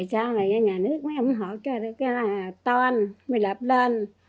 sau này nhà nước mới ủng hộ cho cái toàn mới lập lên